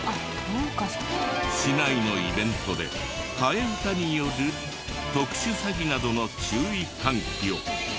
市内のイベントで替え歌による特殊詐欺などの注意喚起を。